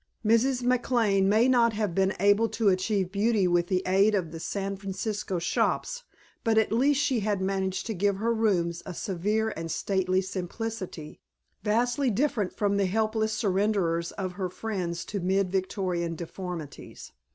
Mrs. McLane may not have been able to achieve beauty with the aid of the San Francisco shops, but at least she had managed to give her rooms a severe and stately simplicity, vastly different from the helpless surrenders of her friends to mid victorian deformities.